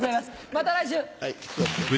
また来週！